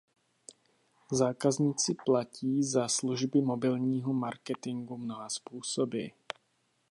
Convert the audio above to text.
Zákazníci zaplatí za služby mobilního marketingu mnoha způsoby.